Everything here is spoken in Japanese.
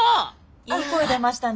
いい声出ましたね。